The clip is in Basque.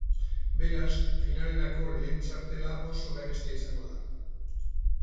Beraz, finalerako lehen txartela oso garestia izango da.